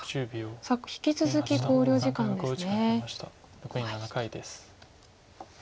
さあ引き続き考慮時間ですね。